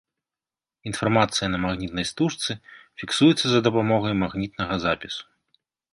Інфармацыя на магнітнай стужцы фіксуецца за дапамогай магнітнага запісу.